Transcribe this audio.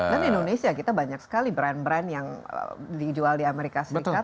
indonesia kita banyak sekali brand brand yang dijual di amerika serikat